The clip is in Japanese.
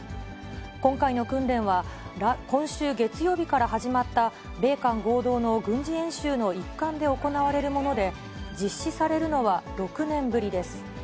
今回の訓練は今週月曜日から始まった、米韓合同の軍事演習の一環で行われるもので、実施されるのは６年ぶりです。